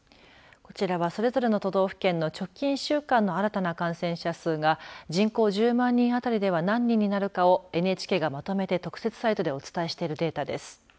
こちらはそれぞれの都道府県の直近１週間の新たな感染者数が人口１０万人あたりでは何人になるかをＮＨＫがまとめて特設サイトでお伝えしているデータです。